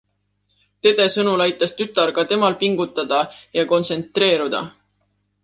Dede sõnul aitas tütar ka temal pingutada ja kontsentreeruda.